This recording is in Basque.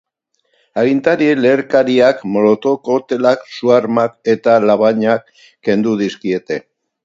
Agintariek leherkariak, molotov koktelak, su-armak eta labanak kendu dizkiete.